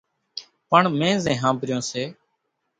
پڻ مين زين ۿانڀريون سي